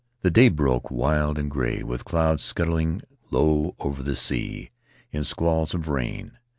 The day broke wild and gray, with clouds scudding low over the sea, and squalls of rain.